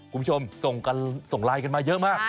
คุณผู้ชมส่งไลน์กันมาเยอะมาก